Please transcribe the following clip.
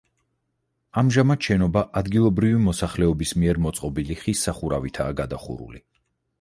ამჟამად შენობა ადგილობრივი მოსახლეობის მიერ მოწყობილი ხის სახურავითაა გადახურული.